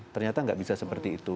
ternyata nggak bisa seperti itu